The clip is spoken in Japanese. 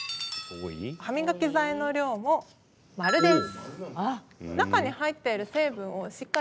歯磨き剤の量もマルです。